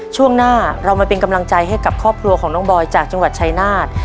ช่วงหน้าเรามาเป็นกำลังใจให้กับครอบครัวของน้องบอยจากจังหวัดชายนาฏ